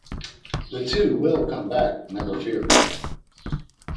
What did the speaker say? The two will come back, never fear.